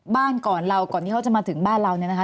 บ้านก่อนเราก่อนที่เขาจะมาถึงบ้านเราเนี่ยนะคะ